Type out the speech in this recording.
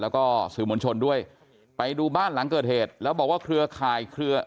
แล้วก็สื่อมวลชนด้วยไปดูบ้านหลังเกิดเหตุแล้วบอกว่าเครือข่ายเครือ